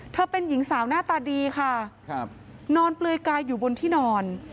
เป็นหญิงสาวหน้าตาดีค่ะครับนอนเปลือยกายอยู่บนที่นอน